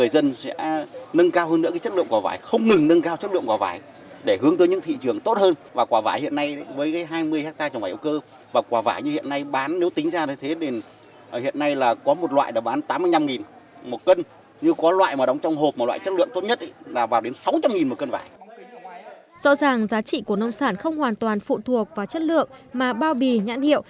rõ ràng giá trị của nông sản không hoàn toàn phụ thuộc vào chất lượng mà bao bì nhãn hiệu